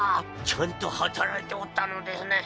ちゃんと働いておったのですね！